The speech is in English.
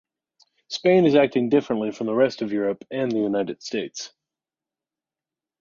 Spain is acting differently from the rest of Europe and the United States.